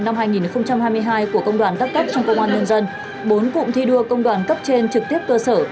năm hai nghìn hai mươi hai của công đoàn các cấp trong công an nhân dân bốn cụm thi đua công đoàn cấp trên trực tiếp cơ sở